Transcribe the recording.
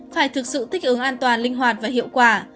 phải thực sự thích ứng an toàn linh hoạt và hiệu quả